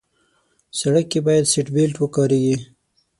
سړک کې باید سیټ بیلټ وکارېږي.